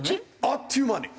あっという間にはい。